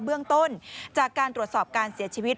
เบื้องต้นจากการตรวจสอบการเสียชีวิต